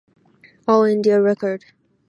All India Record.